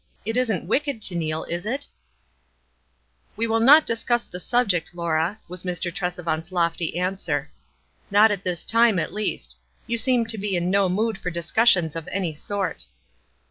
It isn't wicked to kneel, is it?" ff We will not discuss the subject, Laura," was Mr. Tresevant's lofty answer. " Not at this time, at least. You seem to be in no mood for discussions of any sort."